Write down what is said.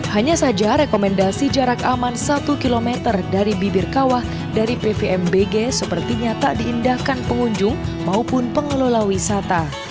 hanya saja rekomendasi jarak aman satu km dari bibir kawah dari pvmbg sepertinya tak diindahkan pengunjung maupun pengelola wisata